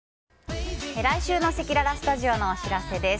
来週のせきららスタジオのお知らせです。